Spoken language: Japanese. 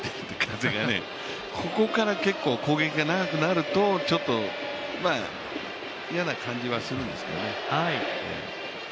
ここから結構攻撃が長くなると、ちょっと嫌な感じはするんですけどね。